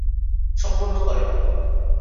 সম্পন্ন করেন।